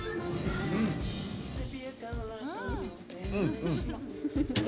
うんうん。